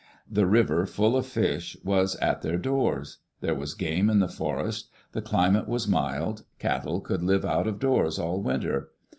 The river, full of fish, was at their doors ; there was game In the forest; the climate was mild; cattle could live out of doors all winter.